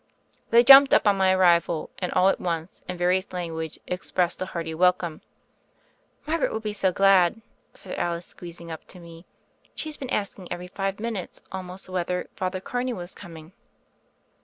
They jumped up on my arrival, and all at once in various language ex pressed a hearty welcome. "Margaret will be so glad," said Alice, squeezing up to me. "She's been asking every five minutes almost whether Father Carney was coming."